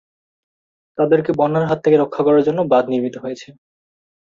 তাদেরকে বন্যার হাত থেকে রক্ষার জন্য বাধ নির্মিত হয়েছে।